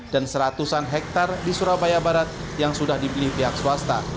dan seratus an hektare di surabaya barat yang sudah dibeli pihak swasta